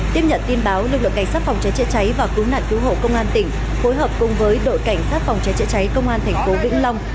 tiếp nhận tin báo lực lượng cảnh sát phòng cháy chữa cháy và cứu nạn cứu hộ công an tỉnh phối hợp cùng với đội cảnh sát phòng cháy chữa cháy công an thành phố vĩnh long